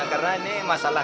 karena ini masalah